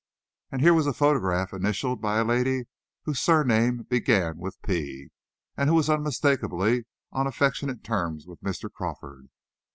And here was a photograph initialed by a lady whose surname began with P, and who was unmistakably on affectionate terms with Mr. Crawford.